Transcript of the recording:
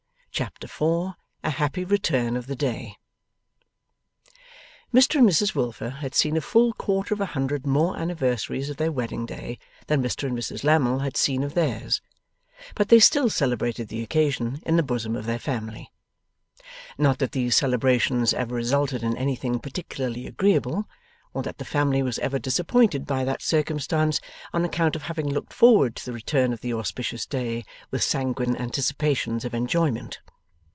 Chapter 4 A HAPPY RETURN OF THE DAY Mr and Mrs Wilfer had seen a full quarter of a hundred more anniversaries of their wedding day than Mr and Mrs Lammle had seen of theirs, but they still celebrated the occasion in the bosom of their family. Not that these celebrations ever resulted in anything particularly agreeable, or that the family was ever disappointed by that circumstance on account of having looked forward to the return of the auspicious day with sanguine anticipations of enjoyment.